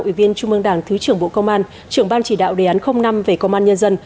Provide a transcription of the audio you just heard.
ủy viên trung mương đảng thứ trưởng bộ công an trưởng ban chỉ đạo đề án năm về công an nhân dân